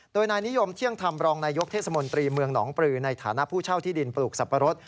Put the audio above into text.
โดยนายนิยมเที่ยงธรรมรองนายกเทศมนตรีเมืองหนองปลือในฐานะผู้เช่าที่ดินปลูกสับปะรด